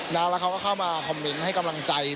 แล้วเขาก็เข้ามาคอมเมนต์ให้กำลังใจ